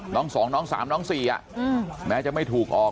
น้องสองน้องสามน้องสี่อ่ะอืมแม้จะไม่ถูกออก